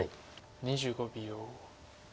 ２５秒。